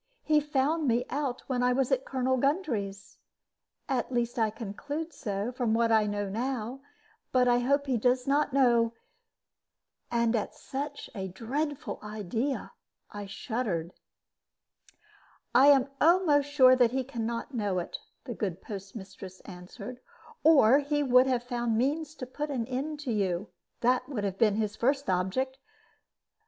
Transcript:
He found me out when I was at Colonel Gundry's. At least I conclude so, from what I know now; but I hope he does not know" and at such a dreadful idea I shuddered. "I am almost sure that he can not know it," the good postmistress answered, "or he would have found means to put an end to you. That would have been his first object."